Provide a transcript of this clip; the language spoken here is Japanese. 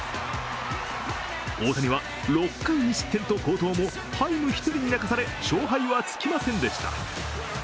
大谷は６回に失点と好投もハイム１人に泣かされ、勝敗はつきませんでした。